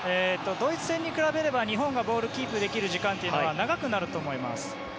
ドイツ戦に比べれば日本がボールをキープできる時間は長くなると思います。